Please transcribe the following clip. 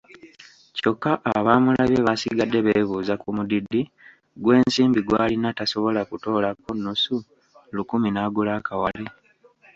Kyoka abaamulabye baasigade beebuuza ku mudidi gw'ensimbi gw'alina tasobola kutoolako nnusu lukumi n'agula akawale!